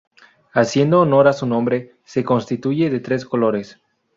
Haciendo honor a su nombre, se constituye de tres colores.